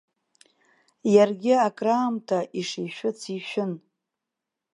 Иаргьы акраамҭа ишишәыц ишәын.